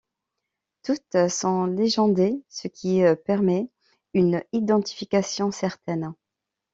Toutes sont légendées, ce qui permet une identification certaine.